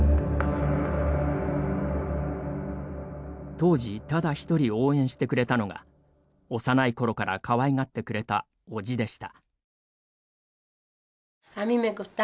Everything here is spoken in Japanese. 当時、ただ一人応援してくれたのが幼いころからかわいがってくれた叔父でした。